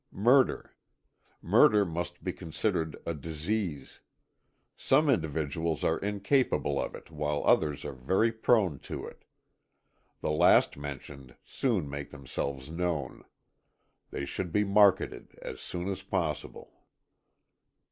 MurderŌĆöMurder must be considered a disease. Some individuals are incapable of it while others are very prone to it. The last mentioned soon make themselves known. They should be marketed as soon as possible.